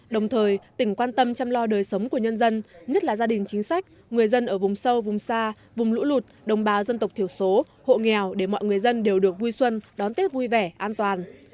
đồng thời tỉnh quan tâm chăm lo đời sống của nhân dân nhất là gia đình chính sách người dân ở vùng sâu vùng xa vùng lũ lụt đồng bào dân tộc thiểu số hộ nghèo để mọi người dân đều được vui xuân đón tết vui vẻ an toàn